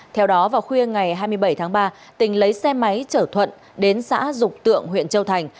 theo đó vào khuya ngày hai mươi bảy tháng ba tình lấy xe máy chở thuận đến xã dục tượng huyện châu thành